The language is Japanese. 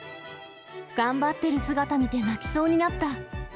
頑張ってる姿見て泣きそうになった。